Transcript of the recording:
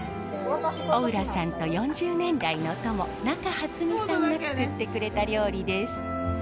小浦さんと４０年来の友中初美さんが作ってくれた料理です。